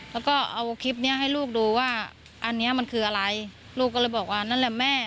แล้วก็เอาคลิปนี้ให้ลูกดูว่าอันนี้มันคืออะไรลูกก็เลยบอกว่านั่นแหละแม่